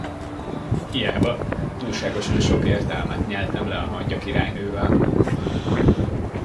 Hiába, túlságosan sok értelmet nyeltem le a hangyakirálynővel.